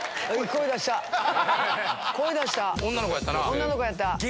女の子やったな。